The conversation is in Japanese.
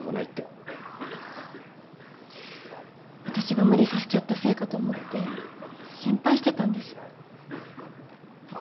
私が無理させちゃったせいかと思って心配してたんです。